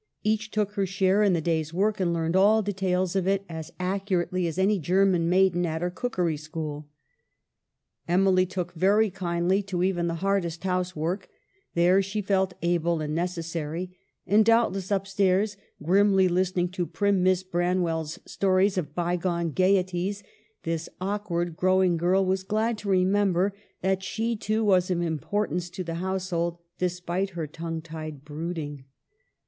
Each took her share in the day's work, and learned all de tails of it as accurately as any German maiden at her cookery school. Emily took very kindly to even the hardest housework ; there she felt able and necessary ; and, doubtless, up stairs, grimly listening to prim Miss Branwell's stories of bygone gayeties, this awkward, growing girl was glad to remember that she too was of im portance to the household, despite her tongue tied brooding.